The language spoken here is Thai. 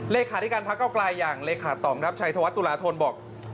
เลขาธิการพักเก้าไกลอย่างเลขาต่อมครับชัยธวัฒนตุลาธนบอก